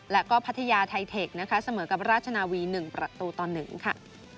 แล้วก็พัทยาไทเทคนะคะเสมอกับราชนาวี๑ประตูต่อ๑ค่ะ